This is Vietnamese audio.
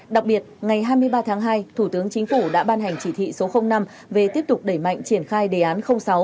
đặc biệt ngày hai mươi ba tháng hai thủ tướng chính phủ đã ban hành chỉ thị số năm về tiếp tục đẩy mạnh triển khai đề án sáu